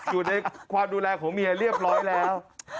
อยู่ในความดูแลของเมียเรียบร้อยแล้ว